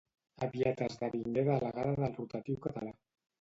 Aviat esdevingué delegada del rotatiu català.